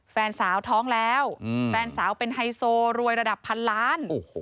แฟนสาวท้องแล้วแฟนสาวเป็นไฮโซรวยระดับพันล้าน